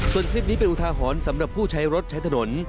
ส่วนคลิปนี้เป็นอุทาหรณ์สำหรับผู้ใช้รถใช้ถนน